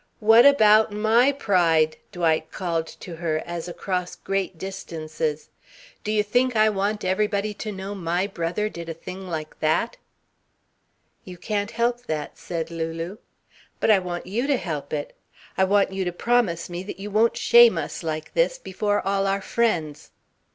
"What about my pride?" Dwight called to her, as across great distances. "Do you think I want everybody to know my brother did a thing like that?" "You can't help that," said Lulu. "But I want you to help it. I want you to promise me that you won't shame us like this before all our friends."